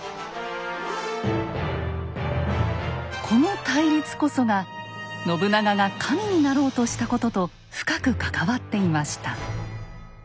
この対立こそが信長が神になろうとしたことと深く関わっていました。